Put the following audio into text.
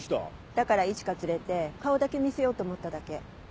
だから一花連れて顔だけ見せようと思っただけ。